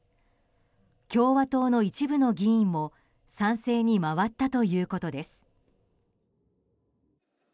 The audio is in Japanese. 共和党の一部の議員も賛成に回ったということです。